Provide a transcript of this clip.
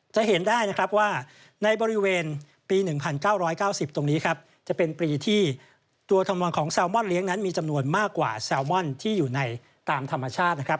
จะเห็นได้นะครับว่าในบริเวณปี๑๙๙๐ตรงนี้ครับจะเป็นปีที่ตัวธรรมนองของแซลมอนเลี้ยงนั้นมีจำนวนมากกว่าแซลมอนที่อยู่ในตามธรรมชาตินะครับ